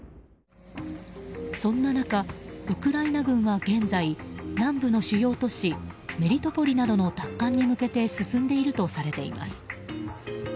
そんな中、ウクライナ軍は現在南部の主要都市メリトポリなどの奪還に向けて進んでいるとされています。